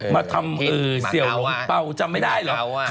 มาทำเสี่ยวหลงเป่าจำไม่ได้เหรอ